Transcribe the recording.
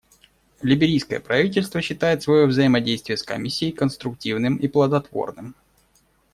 Либерийское правительство считает свое взаимодействие с Комиссией конструктивным и плодотворным.